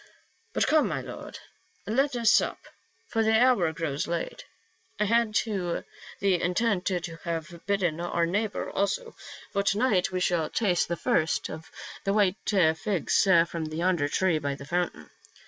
But come, my lord, let us sup, for the houf grows late. I had the intent to have bidden oul neighbor also, for to night we shall taste the first of the white figs from the young tree by the fountain.